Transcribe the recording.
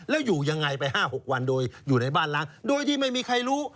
แล้วอยู่ยังไงไป๕๖วันโดยอยู่ในบ้านล้างโดยที่ไม่มีใครรู้